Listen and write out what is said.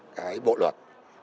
cái bộ luật